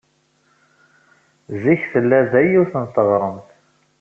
Zik tella da yiwet n teɣremt.